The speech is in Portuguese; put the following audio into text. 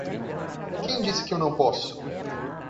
Quem disse que eu não posso?